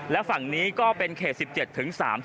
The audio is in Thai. และฝั่งนี้ก็เป็นเขต๑๗ถึง๓๐